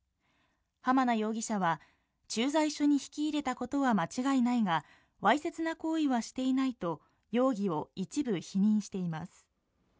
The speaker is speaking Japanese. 濱名容疑者は駐在所に引き入れたことは間違いないが、わいせつな行為はしていないと容疑を一部否認しています。